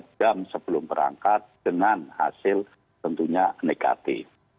dua jam sebelum berangkat dengan hasil tentunya negatif